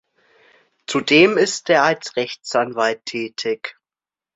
Zudem ist er als Rechtsanwalt tätig.